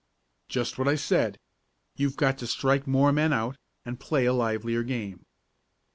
"Just what I said. You've got to strike more men out, and play a livelier game."